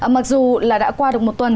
mặc dù là đã qua được một tuần